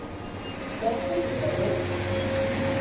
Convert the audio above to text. Тәм-том етерлек.